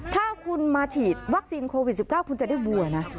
ถ้าคุณมาฉีดวัคซีนโควิด๑๙คุณจะได้วัวนะ